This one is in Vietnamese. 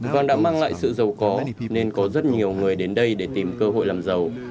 và đã mang lại sự giàu có nên có rất nhiều người đến đây để tìm cơ hội làm giàu